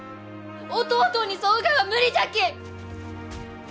弟に添うがは無理じゃき！